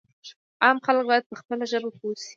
عام خلک باید په خپله ژبه پوه شي.